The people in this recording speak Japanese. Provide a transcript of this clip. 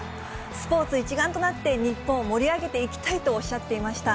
スポーツ一丸となって日本を盛り上げていきたいとおっしゃっていました。